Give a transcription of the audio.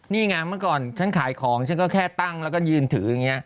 นี่ไงเมื่อก่อนฉันขายของฉันก็แค่ตั้งแล้วก็ยืนถืออย่างนี้